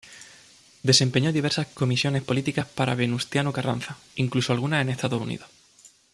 Desempeñó diversas comisiones políticas para Venustiano Carranza, incluso algunas en Estados Unidos.